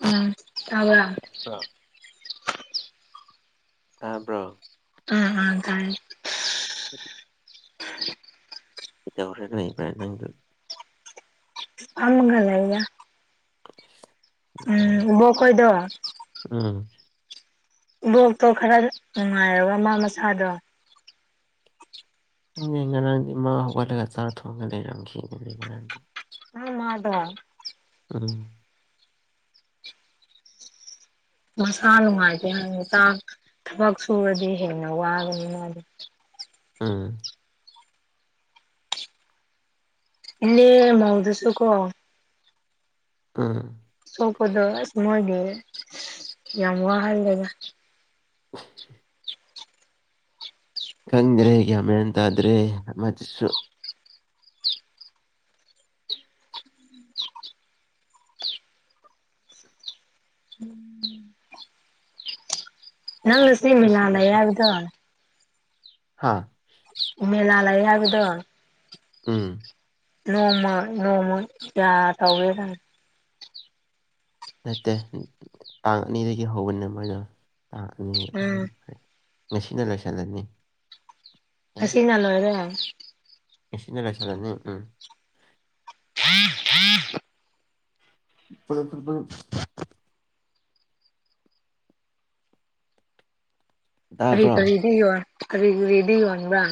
ꯎꯝ ꯑ ꯕ꯭ꯔꯣ ꯑꯕ꯭ꯔꯣ ꯎꯝ ꯑ ꯇꯥꯏ ꯎ [unintelligible] ꯏꯇ ꯍ ꯎꯆꯦꯛ ꯅꯅꯤ ꯄꯥꯏ ꯅꯪꯗ ꯑꯃꯒ ꯂꯩ [unintelligible] ꯅꯨꯡꯉꯥꯏ ꯎꯝꯕꯣ ꯀꯣꯏꯗꯣ ꯎꯝ ꯕꯣꯛꯇꯣ ꯈꯔ ꯅꯨꯡꯉꯥꯏꯔꯒ ꯃꯥ ꯃꯁꯥꯗꯣ ꯉꯔꯥꯡꯗꯤ ꯃꯥ ꯍꯧꯒꯠꯂꯒ ꯆꯥꯛ ꯊꯣꯡꯉ ꯂꯩꯔꯝꯈꯤ ꯉꯔꯥꯡꯗꯤ ꯑ ꯃꯥꯗ ꯑꯥ ꯃꯁꯥ ꯅꯨꯡꯉꯥꯏꯇꯦꯥꯡ ꯊꯕꯛ ꯁꯨꯔꯗꯤ ꯍꯦꯟꯅ ꯋꯥꯕꯅꯤ ꯃꯥꯗꯤ ꯑꯥ ꯏ ꯃꯑꯣꯗꯁꯨꯨ ꯀꯣ ꯎꯝ ꯁꯣꯄ ꯑꯗꯨ ꯁꯃꯒꯤ ꯌꯥꯝ ꯋꯥꯍ ꯍꯥꯏꯗꯒ ꯈꯪꯗ꯭ꯔꯦꯒꯌꯥꯃꯦꯃꯦ ꯇꯗ꯭ꯔꯦ ꯃꯁꯨꯨ ꯅꯪꯁ ꯃꯤꯂꯂꯕꯗ ꯍꯥꯥ ꯃꯦꯂ ꯌꯥꯒꯗꯣ ꯑꯥ ꯅꯣꯡꯃ ꯅꯣꯡꯃ ꯀꯌꯥ ꯇꯧꯋꯦ ꯀ ꯅꯠꯇꯦ ꯇꯥꯡ ꯑꯅꯤꯗꯒꯤ ꯍꯧꯕꯅꯦ ꯃꯣꯏꯗꯣ ꯇꯥꯡ ꯑꯅꯤ ꯑꯍꯨꯝ ꯎꯝ ꯉꯁꯤꯅ ꯂꯣꯏꯁꯤꯜꯂꯅꯤ ꯍꯁꯤꯅꯅ ꯑꯣꯏꯣꯏꯗ ꯑꯦꯁꯤꯅꯦꯂ ꯆꯂꯅꯤ ꯎꯝ ꯍ ꯏꯄ ꯀꯔꯤ ꯇꯥꯕ꯭ꯔꯣ ꯀꯔꯤꯗꯤ ꯌꯣ ꯀꯔꯤꯔꯤꯗꯤ ꯌꯣꯟꯟꯕ꯭ꯔꯥ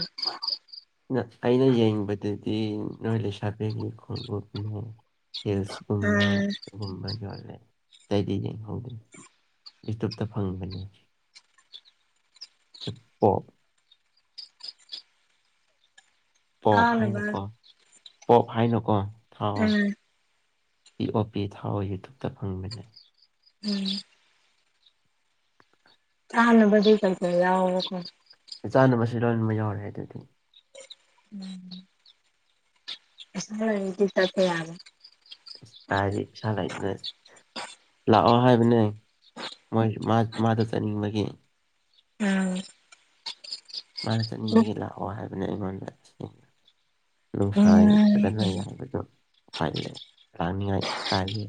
ꯑꯩꯅ ꯌꯦꯡꯕꯗꯗꯤ ꯅꯣꯏ ꯂꯩꯁꯥꯕꯤꯒꯤ ꯈꯣꯡꯎꯞꯅꯦ ꯎꯝ ꯍꯁꯒꯨꯝꯕꯒꯨꯝꯕ ꯌꯥ ꯆꯩꯗꯤ ꯌꯦꯡꯍꯧꯗꯦ ꯌꯨꯇꯨꯞꯇ ꯐꯪꯒꯅꯤ ꯏꯄꯣ ꯄꯞ ꯆꯥꯅꯕ ꯍꯥꯏꯅꯀꯣ ꯄꯞ ꯍꯥꯏꯅꯀꯣ ꯎꯝ ꯏ ꯑꯣ ꯄꯤ ꯊꯥꯎ ꯌꯨꯇꯨꯨꯞꯇ ꯐꯪꯕꯅꯤ ꯎꯝ ꯑꯥ ꯀꯩ ꯀ ꯌꯥ ꯆꯥꯟꯅꯕꯁꯤ ꯂꯣꯏꯃꯛ ꯌꯥꯎꯔꯦ ꯑꯗꯨꯗꯤ ꯎꯝ ꯗꯤ ꯆ ꯌꯥꯔ ꯄꯔꯔꯤꯅ ꯂꯥꯛꯑꯣ ꯍꯥꯏꯕꯅꯦ ꯃꯥꯗ ꯆꯥꯅꯤꯡꯕꯒꯤ ꯎꯝ ꯃꯥꯅ ꯆꯠꯅꯤꯡꯕꯒꯤ ꯂꯥꯛꯑꯣ ꯍꯥꯏꯕꯅ ꯑꯩꯉꯣꯟꯗꯁꯦꯡꯅ ꯅꯨꯡꯁꯥ ꯎꯝ ꯐꯖꯅ ꯌꯥ ꯥꯏꯦ ꯔꯥꯅꯤ ꯍꯥꯏ ꯀꯦ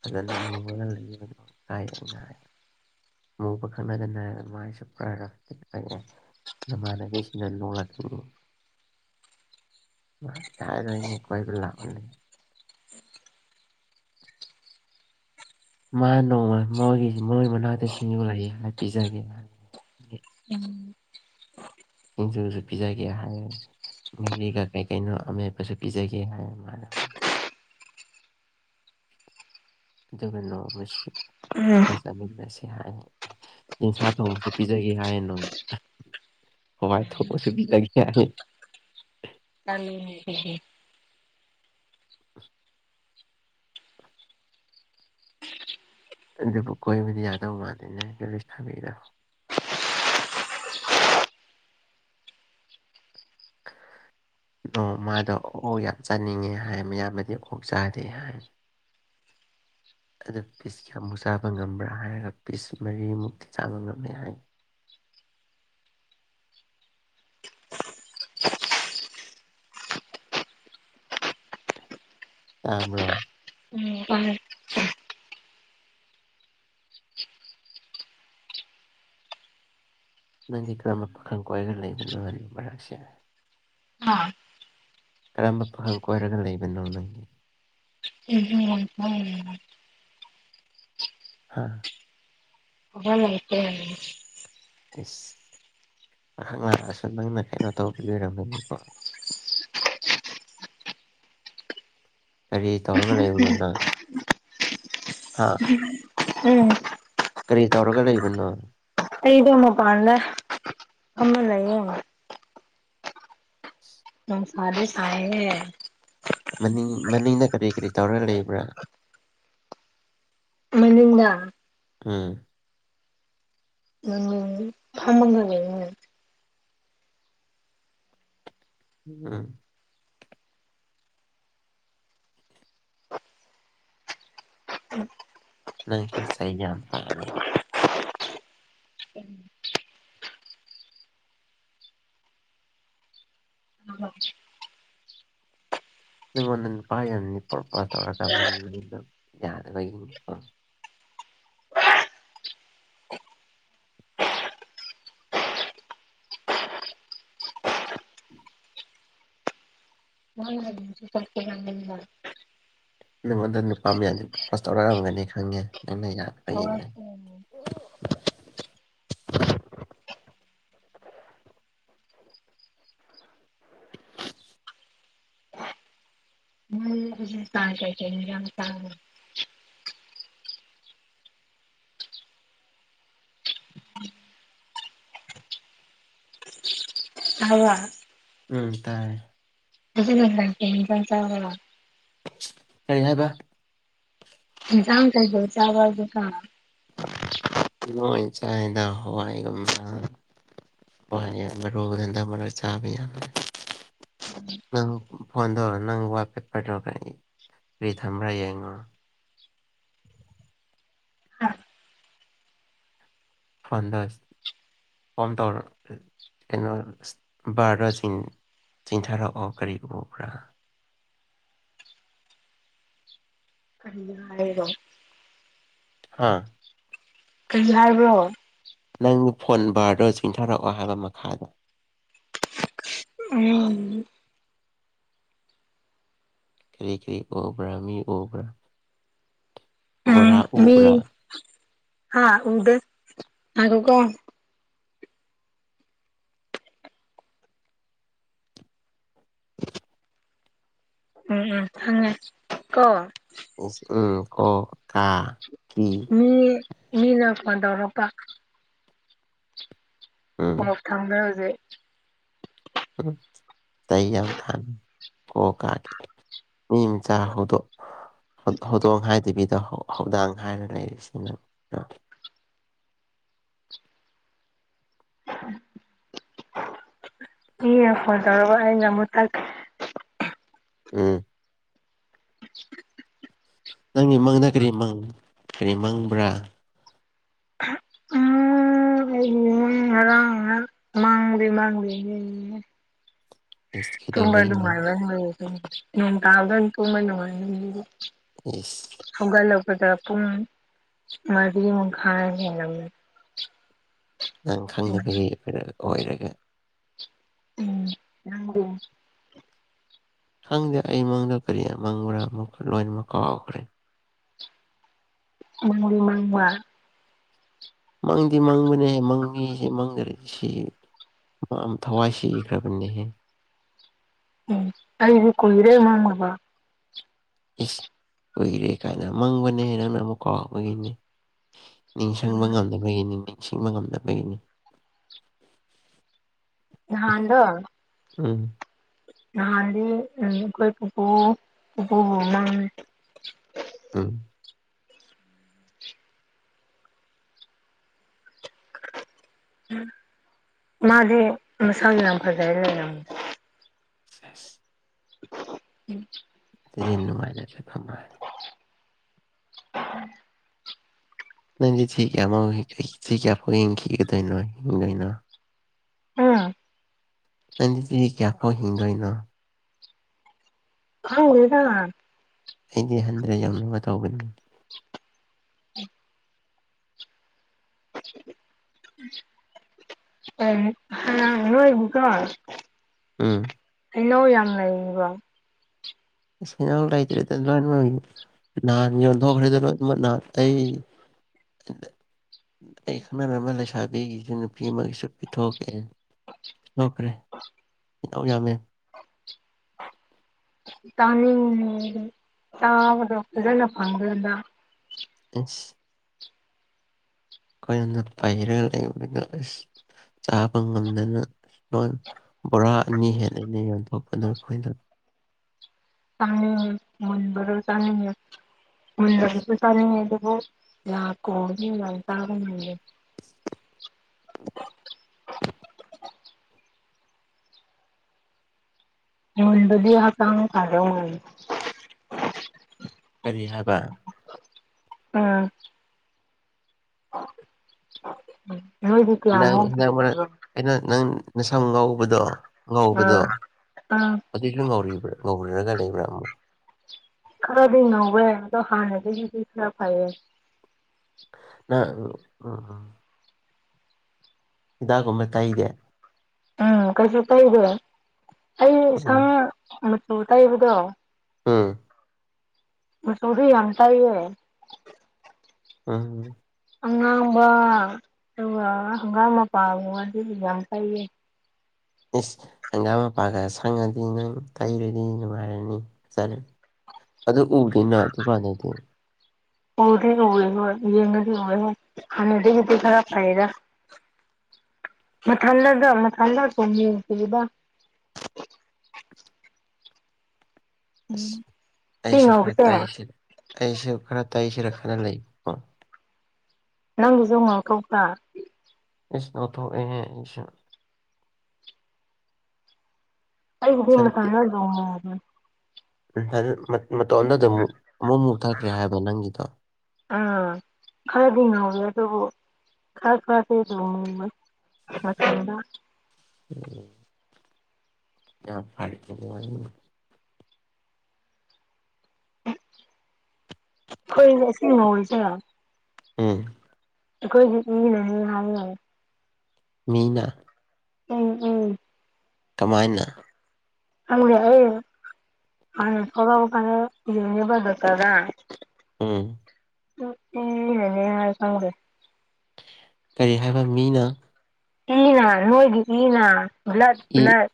ꯐꯖꯅ ꯃꯨꯉꯒ ꯂꯩꯕꯅ ꯀꯥꯏ ꯑ ꯉ ꯃꯨꯕ ꯈꯅꯥꯗꯅ ꯃꯥꯥꯏꯁꯄ꯭ꯔꯥꯏ ꯔ ꯀꯦ ꯑ ꯃꯥꯅꯒꯁꯤꯅ ꯂꯣꯣ ꯃꯥ ꯌꯥꯏꯔꯣꯏꯅꯤ ꯀ ꯄ ꯂ ꯑꯣ ꯃꯥ ꯅꯣꯡꯃꯣꯏꯒꯤ ꯃꯣꯏ ꯃꯅꯥꯛꯇ ꯁꯤꯡ ꯌꯣꯛꯂꯛꯏ ꯍꯥꯏ ꯄꯤꯖꯒꯦ ꯎ ꯄꯨꯁꯨꯁꯨ ꯄꯤꯖꯥ ꯀꯌꯥ ꯍꯥꯏ ꯉꯔꯤꯒ ꯀꯩ ꯀꯩꯅꯣ ꯑꯃꯦꯠꯄꯁꯨ ꯄꯤꯖꯒꯦ ꯍꯥꯏ ꯃꯥ ꯑꯗꯨꯒꯒꯔ ꯅ ꯃꯖꯈꯤ ꯎꯝ ꯆꯥꯛ ꯆꯠꯃꯤꯟꯅꯁꯤ ꯍꯥꯏ ꯌꯦꯟꯁꯥ ꯊꯣꯡꯕꯁꯨ ꯄꯤꯖꯒꯦ ꯍꯥꯏꯌꯦ ꯅꯅꯨꯡ ꯍꯋꯥꯏ ꯊ ꯃꯁꯕꯤ ꯂꯒꯦꯦ ꯀꯅꯤ ꯑꯗꯨ ꯑꯗꯨꯕꯨ ꯀꯣꯏꯕꯨꯗꯤ ꯌꯥꯗ ꯎ ꯃꯥꯗꯅꯦꯁ ꯊꯥꯕꯤꯔꯣ [inaudible] ꯅꯣꯡ ꯃꯥꯗꯣ ꯑꯣꯛ ꯌꯥꯝ ꯆꯥꯅꯤꯡꯉꯦ ꯍꯥꯏꯌꯥꯝꯕꯗꯤ ꯑꯣꯛ ꯆꯥꯗꯦ ꯍꯥꯏ ꯑꯗꯨ ꯄꯤꯁ ꯀꯌꯥꯃꯨꯛ ꯆꯥꯕ ꯉꯝꯕ꯭ꯔꯥ ꯍꯥꯏꯔꯒ ꯄꯤꯁ ꯃꯔꯤꯃꯨꯛꯇꯤ ꯆꯥꯕ ꯉꯝꯂ ꯍꯥꯏ [inaudible] ꯇꯥꯕ꯭ꯔꯣ ꯅꯪꯒꯤ ꯀꯔꯝꯕ ꯄꯥꯈꯪ ꯀꯣꯏꯒ ꯂꯩꯕꯅꯣ ꯍꯥꯏꯅꯤ ꯃꯔꯛꯁꯦ ꯑꯥ ꯀꯔꯝꯕ ꯄꯥꯈꯪ ꯀꯣꯏꯔꯒ ꯂꯩꯕꯅꯣ ꯅꯪꯒꯤ ꯎꯝ ꯎꯝ ꯍꯥ ꯑ ꯃꯅꯤꯄꯔꯅꯤ ꯏꯁꯁ ꯃꯍꯥꯛꯍꯅ ꯑꯁꯨ ꯅꯪꯅ ꯀꯩꯅꯣ ꯇꯧꯕꯤ ꯂꯔꯝꯒꯅꯤꯀꯣ [inaudible] ꯀꯔꯤ ꯇꯧꯔꯒ ꯂꯩꯕꯅꯣ ꯅꯪ ꯍꯥ ꯎꯝ ꯀꯔꯤ ꯇꯧꯔꯒ ꯂꯩꯕꯅꯣ ꯑꯩꯩꯗ ꯃ ꯄꯥꯟꯂ ꯑꯃ ꯂꯩꯌꯦ ꯁꯥꯗꯤ ꯁꯥꯏꯑꯦꯍꯦ ꯃꯅꯤꯡ ꯃꯅꯤꯡꯅ ꯀꯔꯤ ꯀꯔꯤ ꯇꯧꯔꯒ ꯂꯩꯕ꯭ꯔꯥ ꯃꯅꯤꯡꯗ ꯎꯝ ꯃꯅꯤꯡ ꯐꯝꯃꯒ ꯂꯩꯌꯦ ꯎꯝ ꯅ ꯁꯍꯤ ꯀ ꯀ ꯅꯤꯡꯉꯣ ꯄ ꯄꯨ ꯄꯔꯀꯣ ꯌꯥꯗꯩꯣ ꯍ ꯆꯦ ꯅꯪꯉꯣꯟꯗ ꯅꯨꯄꯥ ꯃꯌꯥꯗꯨꯁ ꯇꯧꯔꯛꯑꯝꯒꯅꯤ ꯈꯪꯉꯦ ꯅꯪꯅ ꯌꯥ ꯍꯏꯅꯦ [inaudible] ꯊꯣꯛꯂꯛꯀꯦ [inaudible] ꯇꯥꯡ ꯀꯥꯏ ꯇꯥꯡ ꯇꯥꯕ꯭ꯔ ꯎꯝ ꯇꯥꯏꯌꯦ ꯑꯗꯨꯖ ꯂ ꯂꯦ ꯏꯖ ꯆ ꯀꯔꯤ ꯍꯥꯏꯕ ꯆꯥꯡꯝ ꯀꯥꯏꯗ ꯆꯥꯕꯗ ꯀ ꯂꯣꯏ ꯆꯥꯏꯅ ꯍꯋꯥꯏꯒꯨꯝꯕ ꯋꯥꯅꯤ ꯔꯣꯛꯕꯗ ꯃ ꯆꯥ ꯄꯤ ꯌꯥ ꯅꯪ ꯐꯣꯟ ꯇꯧꯔꯛ ꯅꯪ ꯋꯥꯄꯦꯄꯔ ꯇꯧꯔꯛꯀ ꯔꯤ ꯊꯝꯕ꯭ꯔꯥ ꯌꯦꯡꯉꯣ ꯍꯥ ꯐꯗꯁ ꯐꯝ ꯇꯧꯔꯩꯅ ꯚꯔꯔꯁꯤꯡ ꯆꯤꯡꯊꯔ ꯑꯀꯔꯤ ꯎꯄ꯭ꯔꯥ ꯑꯔꯤꯕ ꯍꯥꯥ ꯀꯔꯤ ꯍꯥꯏꯕ꯭ꯔꯣ ꯅꯪꯒꯤ ꯐꯣꯟ ꯅꯝꯕꯔꯗꯣ ꯆꯤꯡꯊꯔꯛꯑꯣ ꯍꯥꯏꯕ ꯃꯈꯥꯗꯣ ꯑ ꯀꯔꯤ ꯀꯔꯤ ꯑꯣꯕ꯭ꯔꯥ ꯃꯤ ꯑꯣꯕ꯭ꯔꯥ ꯕꯣꯔꯥ ꯎꯕ꯭ꯔꯥ ꯍꯥꯥ ꯎꯗ ꯍꯥꯏꯈ ꯀꯣ ꯎꯝ ꯎꯝ ꯍꯉꯦ ꯀꯣꯣ ꯎꯝ ꯀꯣ ꯀꯥ ꯀꯤ ꯃꯤ ꯃꯤꯅꯄꯥꯟꯗꯧꯔꯛꯄ ꯎꯝ ꯑꯣ ꯐꯪꯗ꯭ꯔ ꯍꯧꯖꯤꯛ ꯇꯩ ꯌꯥꯝ ꯐ ꯀꯣ ꯀꯥꯒꯦ ꯃꯤ ꯆꯥꯍꯗꯣ ꯍꯧꯗꯣꯡ ꯍꯥꯏꯗꯕꯤꯗ ꯍꯧꯗꯥꯡ ꯍꯥꯏꯅ ꯂꯩꯔꯤꯁꯤꯅ [inaudible] ꯏ ꯍꯣꯖꯔꯔꯕ ꯅꯝꯨ ꯇꯥꯛ ꯎꯝ ꯅꯪꯒꯤ ꯃꯪꯅ ꯀꯔꯤ ꯀꯔꯤ ꯃꯪꯕ꯭ꯔꯥ ꯥꯡ ꯃꯥꯥꯡꯂꯤ ꯃꯥꯥꯡꯂꯤ ꯏꯁ ꯇ ꯀꯩꯗꯧꯕꯒꯤ ꯃꯪꯗ ꯅꯨꯡꯃꯥꯏꯕ ꯅ ꯇꯥꯥꯎꯗ ꯇ ꯅꯅꯨꯡꯃꯥꯏꯗꯤ ꯌꯦꯁ ꯑꯗꯄꯨꯝ ꯃꯔꯤ ꯈ ꯂꯝ ꯅꯪ ꯈꯪꯅꯕꯒꯤ ꯑꯣꯏꯔꯒ ꯎꯝ ꯈꯪꯗꯦ ꯑꯩꯃꯪꯗ ꯀꯔꯤ ꯃꯪꯕ꯭ꯔꯥ ꯑꯃꯨꯛ ꯂꯣꯏꯅꯃꯛ ꯀꯥꯎꯥꯎꯈ꯭ꯔꯦ [inaudible] ꯃ ꯃꯃ ꯃꯪꯗꯤ ꯃꯪꯕꯅꯦꯍꯦ ꯃꯪꯉꯁꯦ ꯃꯪꯗꯔ ꯁꯤ ꯊꯋꯥꯏ ꯁꯤ ꯏꯈ꯭ꯔꯕꯅꯤꯍꯦ ꯎꯝ ꯑꯩꯗꯤ ꯀꯣꯏꯔꯦ ꯃꯥꯉꯕ ꯑꯦꯁ ꯀꯨꯏꯔꯦ ꯀꯥꯏꯅ ꯃꯪꯕꯅꯦ ꯅꯪꯅ ꯑꯃꯨꯛ ꯀꯥꯎꯕꯒꯤꯅꯤ ꯅꯤꯡꯁꯤꯡꯕ ꯉꯝꯅꯕꯒꯤꯅꯤ ꯅꯤꯡꯁꯤꯡꯕ ꯉꯝꯅꯕꯒꯤꯅꯤ ꯅꯥꯟꯗꯣ ꯎꯝ ꯅꯍꯥꯟꯗꯤ ꯀꯣꯏ ꯄꯄꯨ ꯄꯄꯨ ꯍꯃꯥꯟ ꯑꯥ ꯎꯝ ꯃꯥꯗꯦ ꯃꯁꯥꯜ ꯂ ꯄꯗ ꯁꯦꯁ ꯎꯝ ꯊꯤ ꯅꯨꯡꯉꯥꯏꯅꯁꯦ ꯐꯝ [unintelligible] [unintelligible] ꯅꯪꯗꯤ ꯊꯤ ꯀꯌꯥ ꯑꯃ ꯁꯤꯒꯌꯥꯐ ꯍꯤꯡꯈꯤꯒꯗꯣꯏꯅꯣ ꯍꯤꯡꯒꯩꯅꯣ ꯍꯥ ꯅꯪꯗꯤ ꯆꯍꯤ ꯀꯌꯥꯐꯧ ꯍꯤꯡꯗꯣꯏꯅꯣ ꯈꯪꯗꯦꯗ ꯑꯩꯗꯤ ꯍꯟꯗ꯭ꯔꯦꯠ ꯌꯧꯅꯕ ꯇꯧꯒꯅꯤ [unintelligible] ꯑꯦ ꯅꯣꯏ [unintelligible] ꯎꯝ ꯍꯩꯅꯧ ꯌꯥꯝ ꯂꯩꯔꯤꯕꯣ ꯑꯁ ꯍꯩꯅꯧ ꯂꯩꯇ꯭ꯔꯦꯗ ꯂꯣꯏ ꯂꯣꯏꯒ꯭ꯔꯦ ꯅꯍꯥꯟ ꯌꯣꯟꯊꯣꯛꯈ꯭ꯔꯦꯗ ꯂꯣꯏ ꯅꯍꯥꯟ ꯑꯩ ꯑꯩ ꯈꯪꯅꯔꯝꯕ ꯂꯩꯁꯥꯕꯤꯒꯤꯁꯨ ꯅꯨꯄꯤ ꯑꯃꯒꯤꯁꯨ ꯄꯤꯊꯣꯛꯀꯦ ꯂꯧꯈ꯭ꯔꯦ ꯌꯥꯝ ꯌꯥꯝꯃꯦ ꯆꯥꯅꯤꯡꯉꯦ ꯆꯥꯕꯗꯣ ꯐꯖꯅ ꯐꯪꯗꯦꯕ ꯏꯁ ꯑꯈꯣꯏꯅ ꯄꯩꯔꯒ ꯂꯩꯕꯅ ꯑꯁ ꯆꯥꯕ ꯉꯝꯗꯅ [unintelligible] ꯕꯣꯔꯥ ꯑꯅꯤ ꯍꯦꯟꯅꯅꯦ ꯌꯣꯟꯊꯣꯛꯄꯗꯣ ꯑꯈꯣꯏꯅ ꯆꯥꯡ ꯃꯨꯟꯕꯔꯣ ꯆꯥꯅꯤꯡꯉꯦ ꯃꯨꯟꯗꯕꯁꯨ ꯆꯥꯅꯤꯡꯉꯦ ꯑꯗꯨꯕꯨ ꯌꯥ ꯀꯨꯝꯕꯒꯤ ꯌꯥꯝ ꯆꯥꯕ ꯉꯝꯗꯦ [unintelligible] ꯀꯔꯤ ꯍꯥꯏꯕ ꯎꯝ ꯅꯪ ꯍꯟꯗꯛ ꯃꯔꯛ ꯑꯩꯅ [unintelligible] ꯅꯪ ꯅꯁꯝ ꯑꯉꯧꯕꯗꯣ ꯉꯧꯕꯗꯣ ꯑꯥ ꯑꯥ ꯑꯗꯨꯏꯁꯨ ꯉꯧꯔꯤꯕ꯭ꯔꯥ ꯉꯧ ꯃꯨꯔꯒ ꯂꯩꯕ꯭ꯔ ꯑꯃꯨꯛ ꯈꯔꯗꯤ ꯉꯧꯋꯦ ꯑꯗꯣ ꯍꯥꯟꯅꯗꯒꯤꯗꯤ ꯈꯔ ꯐꯩꯌꯦ ꯑ ꯎ ꯎꯝ ꯎꯝ ꯍꯤꯗꯥꯛꯀꯨꯝꯕ ꯇꯩꯗꯦ ꯎꯝ ꯀꯩꯁꯨ ꯇꯩꯗꯦ ꯑꯩ ꯎꯝ ꯁꯝ ꯃꯆꯨ ꯇꯩꯕꯗꯣ ꯎꯝ ꯃꯆꯨꯗꯤ ꯌꯥꯝ ꯇꯩꯌꯦ ꯎꯝ ꯑꯉꯥꯡꯕ ꯑꯗꯨꯒ ꯍꯪꯒꯥꯝ ꯃꯄꯥꯟꯒꯨꯝꯕ ꯑꯗꯨꯁꯨ ꯌꯥꯝ ꯇꯩꯌꯦ ꯏꯁ ꯍꯪꯒꯥꯝ ꯃꯄꯥꯟꯒ ꯁꯪꯉꯗꯤ ꯅꯪ ꯇꯩꯔꯗꯤ ꯅꯨꯡꯉꯥꯏꯔꯅꯤ ꯐꯖ ꯑꯗꯨ ꯎꯕꯗꯤ ꯅꯪ ꯑꯗꯨ ꯀꯥꯟꯗꯗꯤ ꯎꯗꯤ ꯎꯔꯦ ꯅꯣꯏ ꯌꯦꯡꯉꯗꯤ ꯍꯧ ꯍꯣꯏ ꯍꯥꯟꯗꯒꯤꯗꯤ ꯈꯔ ꯐꯩꯗ ꯃꯊꯟꯗꯒ ꯃꯊꯟꯗ [unintelligible] ꯁꯤ ꯑꯩꯁꯨ ꯈꯔ ꯉꯧꯁꯦ ꯇꯩꯁꯤ ꯑꯩꯁꯨ ꯈꯔ ꯇꯩꯁꯤꯔ ꯈꯜꯂ ꯂꯩ ꯅꯪꯖꯨ ꯃꯀꯣꯛꯇ ꯏꯁ ꯉꯧꯊꯣꯛ ꯑꯦꯍꯦ ꯑꯩꯁꯨ ꯑꯩꯒꯤꯗꯤ ꯁꯟꯇꯤ ꯃꯊꯟꯗ ꯑꯗꯨꯝ ꯃꯨꯒ꯭ꯔꯦ [unintelligible] ꯃꯇꯣꯝꯗ ꯑꯗꯨꯝ ꯑꯃꯨꯛ ꯃꯨꯊꯈ꯭ꯔꯦ [unintelligible] ꯍꯥꯏꯕ ꯅꯪꯒꯤꯗꯣ ꯑꯥ ꯈꯔꯗꯤ ꯉꯧꯋꯦ ꯑꯗꯨꯕꯨ ꯈꯔ ꯈꯔꯗꯤ ꯑꯗꯨꯝ ꯃꯨꯋꯦ ꯃꯆꯨꯗꯣ ꯎꯝ ꯑ [unintelligible] [unintelligible] [inaudible] ꯏ ꯁꯤ ꯃꯖ ꯎꯝ ꯀꯣꯏ ꯏ ꯅ ꯍꯥꯏ [inaudible] ꯃꯤꯅꯥ ꯎꯝ ꯎꯝ ꯀꯃꯥꯏꯅ ꯊꯕꯠꯇꯗ [unintelligible] [inaudible] ꯑꯝ ꯑꯦꯅꯤ ꯌꯥ ꯆꯔꯦ [inaudible] ꯀꯔꯤ ꯍꯥꯏꯕ ꯃꯤꯅ ꯏꯅꯥ ꯅꯣꯏꯗꯤ ꯏꯅꯥ ꯕ꯭ꯂꯠ ꯏ ꯕ꯭ꯂꯠ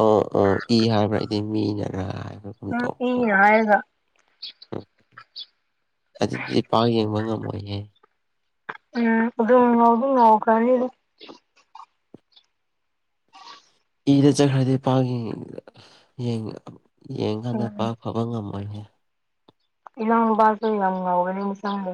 ꯑꯣ ꯑꯣ ꯏ ꯍꯥꯏꯕ꯭ꯔꯥ ꯑꯩꯗꯤ ꯃꯤꯅꯒ ꯍꯥꯏꯕ ꯎꯝ ꯏ ꯍꯥꯏꯒ ꯎꯝ ꯑꯗꯨꯗꯤ ꯄꯥꯛ ꯌꯦꯡꯕ ꯉꯝꯃꯣꯏꯍꯦ ꯎꯝ ꯑꯗꯨ ꯑꯗꯨ ꯅꯣꯀꯅꯤꯔ ꯏꯗ ꯆꯠꯈ꯭ꯔꯗꯤ ꯄꯥꯛ ꯌꯦꯡꯀꯥꯟꯗ ꯄꯥꯛ ꯐꯕ ꯉꯝꯃ ꯑꯩꯏꯅ ꯏꯅꯥꯅꯕꯥꯁꯨ ꯍ ꯌꯥ ꯉꯎꯒꯗꯤ ꯃꯤꯁꯪꯗꯦ